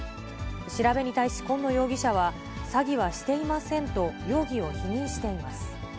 調べに対し紺野容疑者は、詐欺はしていませんと容疑を否認しています。